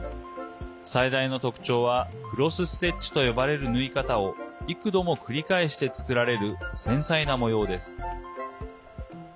最大の特徴は、クロスステッチと呼ばれる縫い方を幾度も繰り返して作られる繊細な模様です。